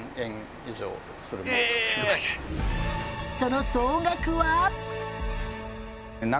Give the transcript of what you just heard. その総額は？うわ！